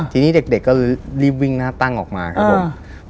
ทีนี้เด็กก็เลยรีบวิ่งหน้าตั้งออกมาครับผม